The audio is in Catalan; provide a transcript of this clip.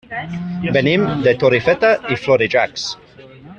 Venim de Torrefeta i Florejacs.